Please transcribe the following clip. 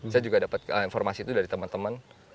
saya juga dapat informasi itu dari temen temen